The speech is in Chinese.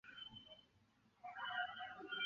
中国翻译家和比较文学家。